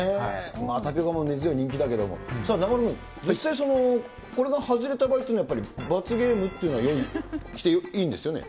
タピオカも根強い人気だけども、そうしたら中丸君、実際、これが外れた場合っていうのは、やっぱり罰ゲームっていうのは用意していいんですよね？